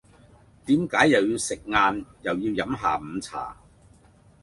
點解又要食晏又要飲下午茶